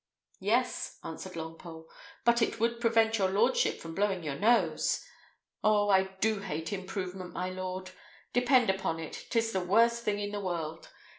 "Yes," answered Longpole; "but it would prevent your lordship from blowing your nose. Oh! I do hate improvement, my lord. Depend upon it, 'tis the worst thing in the world.